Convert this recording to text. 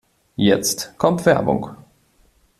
Jetzt kommt Werbung.